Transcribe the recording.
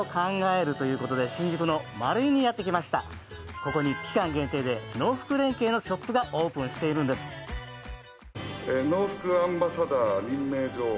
ここに期間限定で農福連携のショップがオープンしているんですノウフクアンバサダー任命状